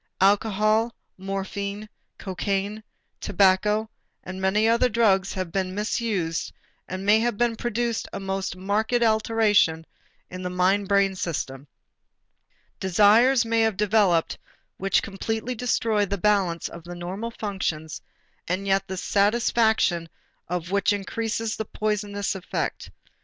Alcohol, morphine, cocaine, tobacco, and many other drugs may have been misused and may have produced a most marked alteration in the mind brain system. Desires may have developed which completely destroy the balance of the normal functions and yet the satisfaction of which increases the poisoning effect.